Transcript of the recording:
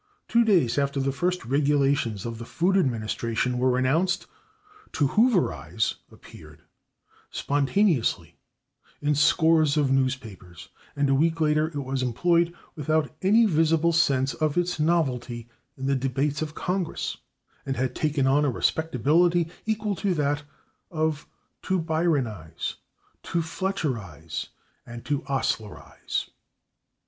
Two days after the first regulations of the Food Administration were announced, /to hooverize/ appeared spontaneously in scores of newspapers, and a week later it was employed without any visible sense of its novelty in the debates of Congress and had taken on a respectability equal to that of /to bryanize/, /to fletcherize/ and /to oslerize